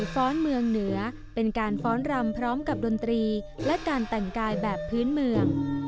ฟ้อสเมืองหรือฟ้อสเมืองเหนือ